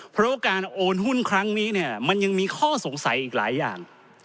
เพราะว่าการโอนหุ้นครั้งนี้เนี่ยมันยังมีข้อสงสัยอีกหลายอย่าง